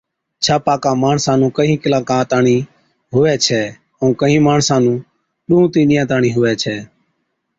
ڇاپاڪا ماڻسا نُون ڪهِين ڪِلاڪان تاڻِين هُوَي ڇَي، ائُون ڪهِين ماڻسا نُون ڏُونه تِينهِين ڏِينهان تاڻِين هُوَي ڇَي،